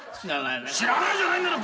「知らない」じゃないだろ。